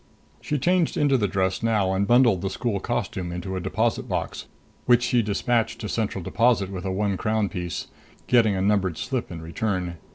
She changed into the dress now and bundled the school costume into a deposit box, which she dispatched to Central Deposit with a one crown piece, getting a numbered slip in return.